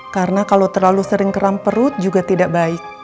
karena kalau terlalu sering keram perut juga tidak baik